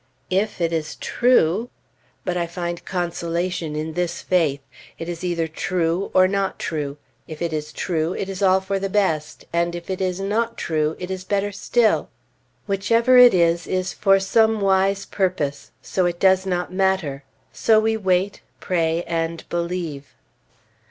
If it is true, but I find consolation in this faith: it is either true, or not true, if it is true, it is all for the best, and if it is not true, it is better still. Whichever it is, is for some wise purpose; so it does not matter, so we wait, pray, and believe.